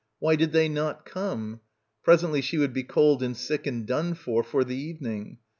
Why did they not come? Presently she would be cold and sick and done for, for the evening.